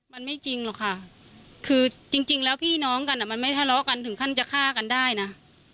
มันไม่จริงหรอกค่ะคือจริงแล้วพี่น้องกันอ่ะมันไม่ทะเลาะกันถึงขั้นจะฆ่ากันได้นะ